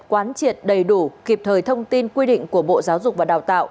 quán triệt đầy đủ kịp thời thông tin quy định của bộ giáo dục và đào tạo